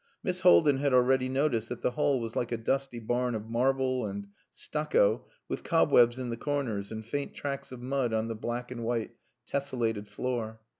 Miss Haldin had already noticed that the hall was like a dusty barn of marble and stucco with cobwebs in the corners and faint tracks of mud on the black and white tessellated floor.